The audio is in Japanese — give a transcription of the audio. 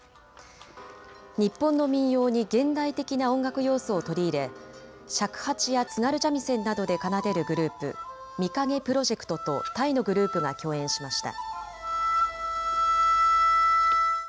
日本の民謡に現代的な音楽要素を取り入れ、尺八や津軽三味線などで奏でるグループＭＩＫＡＧＥＰＲＯＪＥＣＴとタイのグループが共演しました。